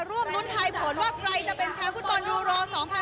ร่วมรุ้นทายผลว่าใครจะเป็นแชมป์ฟุตบอลยูโร๒๐๑๖